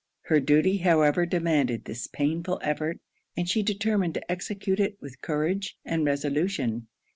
Her duty however demanded this painful effort; and she determined to execute it with courage and resolution.